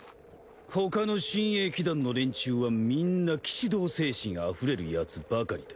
他の親衛騎団の連中はみんな騎士道精神溢れるヤツばかりだ。